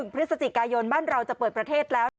พฤศจิกายนบ้านเราจะเปิดประเทศแล้ว